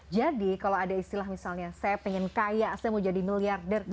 jadi kalau ada istilah misalnya saya pengen kaya saya mau jadi miliarder